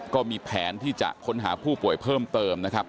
ก็มีแผนที่จะค้นหาผู้ป่วยเพิ่มเติมนะครับ